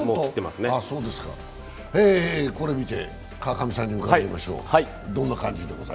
これ見て、川上さんに伺いましょう。